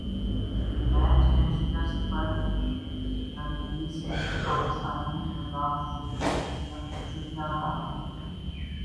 match میں شکست پر رنویر سنگھ نے پاکستانی مداح سے کیا کہا